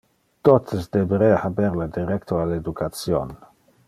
Totes deberea haber le derecto al education.